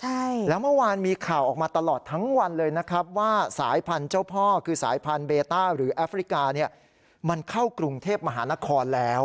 ใช่แล้วเมื่อวานมีข่าวออกมาตลอดทั้งวันเลยนะครับว่าสายพันธุ์เจ้าพ่อคือสายพันธุเบต้าหรือแอฟริกาเนี่ยมันเข้ากรุงเทพมหานครแล้ว